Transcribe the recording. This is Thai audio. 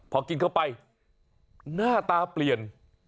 พอกินเข้าไปหน้าตาเปลี่ยน